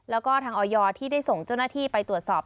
แล้วก็ทางออยที่ได้ส่งเจ้าหน้าที่ไปตรวจสอบ